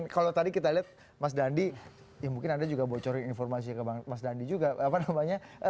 kalau tadi kita lihat mas dandi ya mungkin anda juga bocorin informasi ke mas dandi juga apa namanya